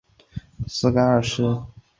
盖萨二世。